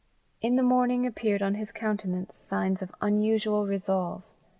In the morning appeared on his countenance signs of unusual resolve.